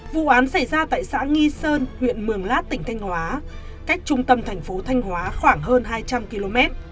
vụ án xảy ra tại xã nghi sơn huyện mường lát tỉnh thanh hóa cách trung tâm thành phố thanh hóa khoảng hơn hai trăm linh km